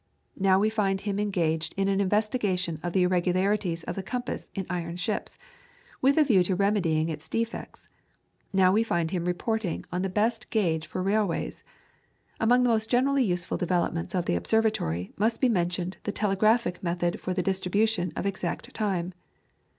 Now we find him engaged in an investigation of the irregularities of the compass in iron ships, with a view to remedying its defects; now we find him reporting on the best gauge for railways. Among the most generally useful developments of the observatory must be mentioned the telegraphic method for the distribution of exact time.